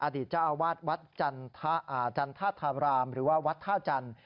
อดิจาวัดวัดจันทราบรามหรือว่าวัดท่าวจันทร์